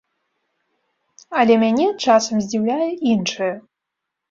Але мяне часам здзіўляе іншае.